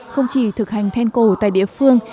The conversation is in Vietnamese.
không chỉ thực hành then cổ tại địa phương